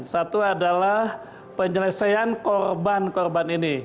satu adalah penyelesaian korban korban ini